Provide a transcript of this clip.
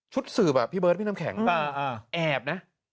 ชุดสืบพี่เบิร์ตพี่น้ำแข็งแอบนะ